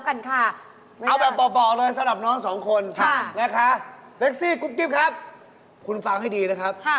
ค่ะไปเล่นกันเลยเหรอบ่อนด์ค่ะ